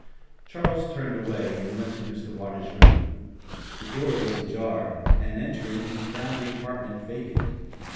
Charles turned away and went to Mr. Waters' room. The door was ajar, and, entering, he found the apartment vacant.